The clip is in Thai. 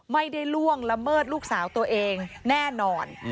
ล่วงละเมิดลูกสาวตัวเองแน่นอน